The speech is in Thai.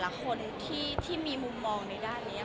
เขาจะพิจพยายามการอยู่ทุกกว่าของตลาดมาค่ารูเหล็ก